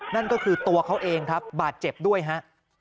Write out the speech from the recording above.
นั่นก็คือตัวเขาเองครับบาดเจ็บด้วยฮะ